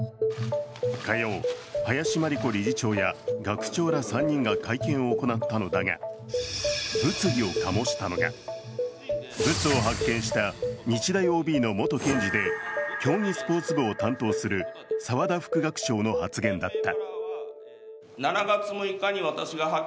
火曜、林真理子理事長や学長ら３人が会見を行ったのだが、物議を醸したのが、ブツを発見した日大ＯＢの元検事で競技スポーツ部を担当する澤田副学長の発言だった。